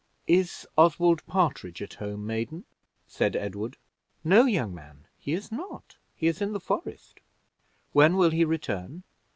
"Is Oswald Partridge at home, maiden," said Edward. "No, young man, he is not. He is in the forest." "When will he return?"